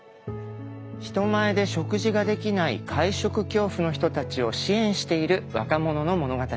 人前で食事ができない会食恐怖の人たちを支援している若者の物語です。